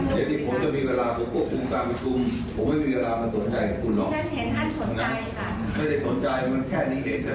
เฉพาะที่ผมจะมีเวลาช่องกับคุณกรามกรรม